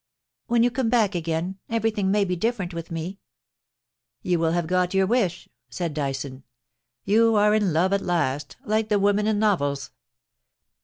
* When you come back again everything may be different with me.' * You will have got your wish,' said Dyson. * You are in love at last, like the women in novels.